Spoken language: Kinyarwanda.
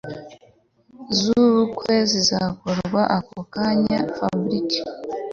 zubukwe zizakorwaAko kanya Fabric